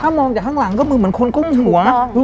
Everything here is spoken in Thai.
ถ้ามองจากข้างหลังก็เหมือนคนกุ้งหัว